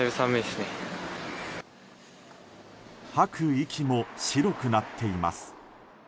吐く息も白くなっています。